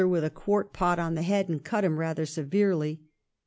with a quart pot on the head and cut him rather severely.